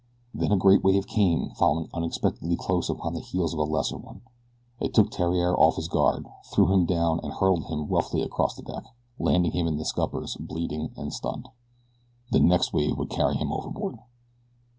Then a great wave came, following unexpectedly close upon the heels of a lesser one. It took Theriere off his guard, threw him down and hurtled him roughly across the deck, landing him in the scuppers, bleeding and stunned. The next wave would carry him overboard.